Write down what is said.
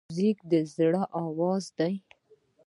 موزیک د زړه آواز دی.